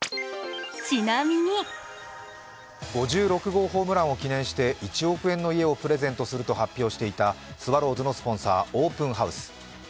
５６号ホームランを記念して１億円の家をプレゼントすると発表していたスワローズのスポンサー、オープンハウス。